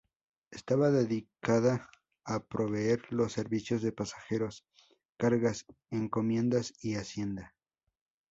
Estaba dedicada a proveer los servicios de pasajeros, cargas, encomiendas y hacienda.